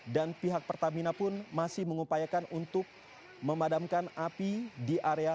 dan pihak pertamina pun masih mengupayakan untuk memadamkan api di area kilang cilacap